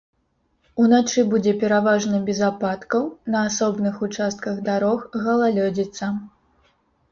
Уначы будзе пераважна без ападкаў, на асобных участках дарог галалёдзіца.